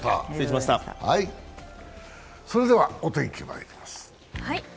それではお天気まいります。